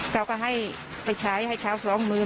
ก้าวก็ให้เค้าไปจ่องมือ